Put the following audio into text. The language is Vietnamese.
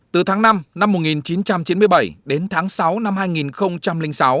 từ tháng năm năm một nghìn chín trăm chín mươi bảy đến tháng sáu năm hai nghìn sáu